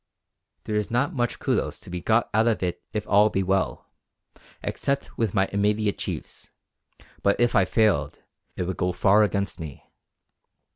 There is not much κυδος to be got out of it if all be well except with my immediate chiefs; but if I failed it would go far against me.